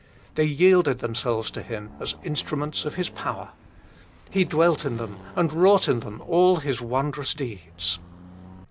They yielded themselves to Him as instruments of His power. He dwelt in them and wrought in them all His wondrous deeds.